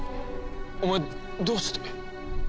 お前どうして？